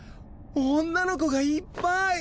女の子がいっぱい。